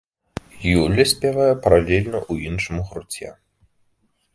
Юля спявае паралельна ў іншым гурце.